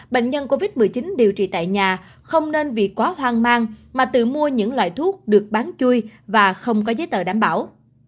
bệnh nhân covid một mươi chín điều trị tại nhà không nên vì quá hoang mang mà tự mua những loại thuốc được bán chui và không có giấy tờ đảm bảo